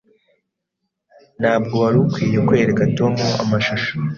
Ntabwo wari ukwiye kwereka Tom amashusho.